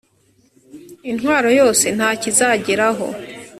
intwaro yose nta cyo izageraho